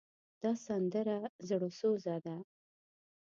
دا سندره زړوسوزه ده.